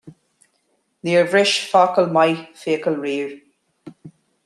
Níor bhris focal maith fiacail riamh